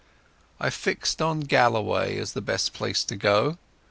I fixed on Galloway as the best place to go.